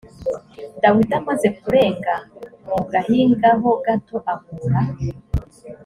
dawidi amaze kurenga mu gahinga ho gato ahura